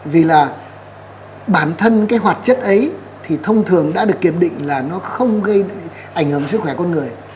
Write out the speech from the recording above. vì là bản thân cái hoạt chất ấy thì thông thường đã được kiểm định là nó không gây ảnh hưởng sức khỏe con người